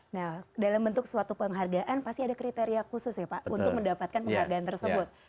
nah dalam bentuk suatu penghargaan pasti ada kriteria khusus ya pak untuk mendapatkan penghargaan tersebut